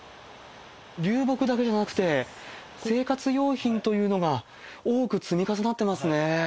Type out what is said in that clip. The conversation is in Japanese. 流木だけじゃなくて、生活用品というのが多く積み重なってますね。